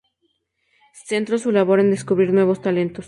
Centró su labor en descubrir nuevos talentos.